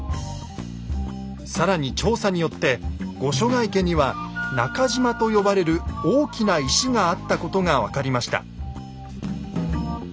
更に調査によって御所ヶ池には「中島」と呼ばれる大きな石があったことが分かりました。